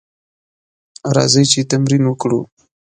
راځئ چې تمرين وکړو.